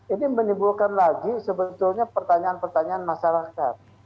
ini menimbulkan lagi sebetulnya pertanyaan pertanyaan masyarakat